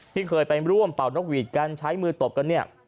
ที่เคยไปร่วมเป่านกหวีดกันใช้มือตบกันเนี่ย